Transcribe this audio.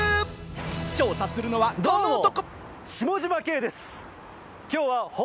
調査するのはこの男。